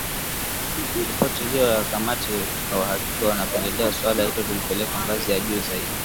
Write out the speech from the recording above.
Ripoti hiyo ya kamati ya uhakiki wanapendelea suala hilo lipelekwe ngazi ya juu zaidi.